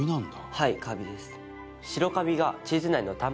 はいカビです。